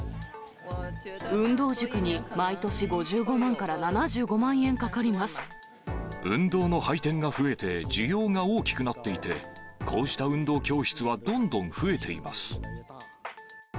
運動塾に毎年、５５万から運動の配点が増えて、需要が大きくなっていて、こうした運動教室はどんどん増えています。